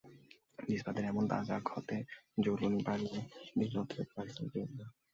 মিসবাহদের এমন তাজা ক্ষতে জ্বলুনি বাড়িয়ে দিল খোদ পাকিস্তান ক্রিকেট বোর্ড।